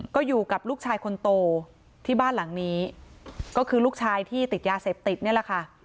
ก็อยู่กับลูกชายคนโตที่บ้านหลังนี้ก็คือลูกชายที่ติดยาเสพติดนี่แหละค่ะ